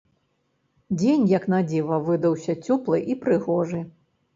Дзень, як на дзіва, выдаўся цёплы і прыгожы.